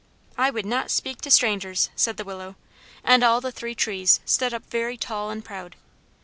"I would not speak to strangers," said the willow. And the three trees stood up very tall and proud.